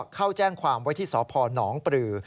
เข้าแจ้งความไว้ที่สพนปรือ